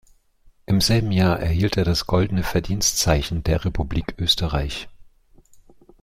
Im selben Jahr erhielt er das Goldene Verdienstzeichen der Republik Österreich.